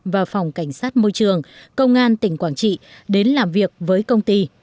và phòng cảnh sát môi trường công an tỉnh quảng trị đến làm việc với công ty